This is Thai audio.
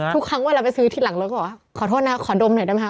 ทุกครั้งเวลาไปซื้อที่หลังรถก็บอกว่าขอโทษนะขอดมหน่อยได้ไหมค